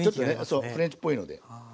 ちょっとフレンチっぽいので。